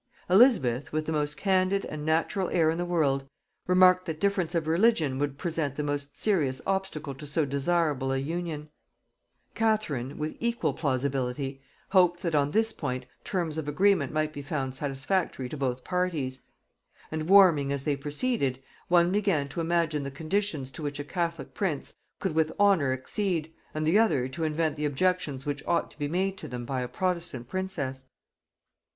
Elizabeth, with the most candid and natural air in the world, remarked that difference of religion would present the most serious obstacle to so desirable an union: Catherine, with equal plausibility, hoped that on this point terms of agreement might be found satisfactory to both parties; and warming as they proceeded, one began to imagine the conditions to which a catholic prince could with honor accede, and the other to invent the objections which ought to be made to them by a protestant princess.